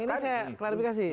kalau yang ini saya klarifikasi